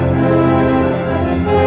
aku mau nungguin dia